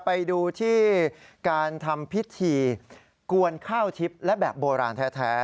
ไปดูที่การทำพิธีกวนข้าวทิพย์และแบบโบราณแท้